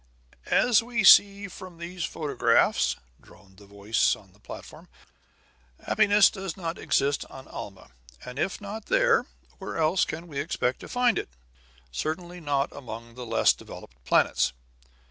"As we see from these photographs," droned the voice on the platform, "happiness does not exist on Alma. And if not there, where else can we expect to find it? Certainly not among the less developed planets.